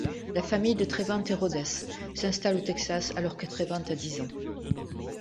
La famille de Trevante Rhodes s'installe au Texas alors que Trevante a dix ans.